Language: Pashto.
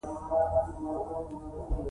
زردالو د افغانستان د کلتوري میراث یوه برخه ده.